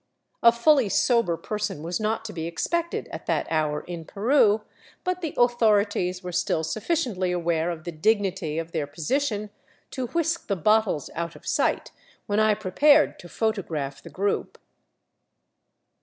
A fully sober person was not to be expected at that hour in Peru, but the " authorities " were still sufficiently aware of the dignity of their position to whisk the bottles out of sight when I prepared to photograph the group.